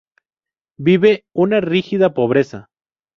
Vive una rígida pobreza.